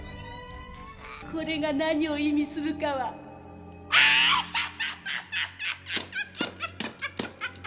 これが何を意味するかは、アハハハハハ！